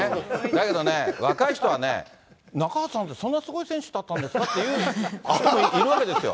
だけどね、若い人はね、中畑さんってそんなすごい選手だったんですかって言う方もいるわけですよ。